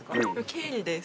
経理です。